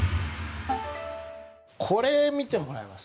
これ見てもらえます？